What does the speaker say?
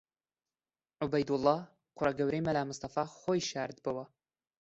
عوبەیدوڵڵا، کوڕە گەورەی مەلا مستەفا خۆی شاردبۆوە